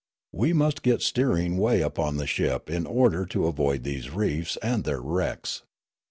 We must get steering way upon the ship in order to avoid these reefs and their wrecks.